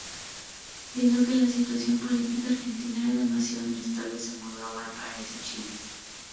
Viendo que la situación política argentina era demasiado inestable, se mudó a Valparaíso, Chile.